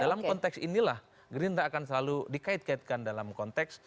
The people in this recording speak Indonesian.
dalam konteks inilah gerindra akan selalu dikait kaitkan dalam konteks